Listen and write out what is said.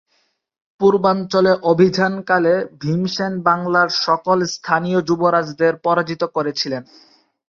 পূর্বাঞ্চলে অভিযানকালে ভীমসেন বাংলার সকল স্থানীয় যুবরাজদের পরাজিত করেছিলেন।